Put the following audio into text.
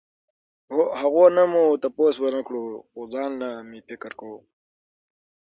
هغو نه مو تپوس ونکړو خو ځانله مې فکر کوو